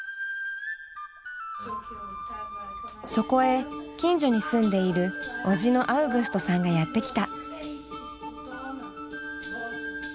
そこへ近所に住んでいる叔父のアウグストさんがやって来た。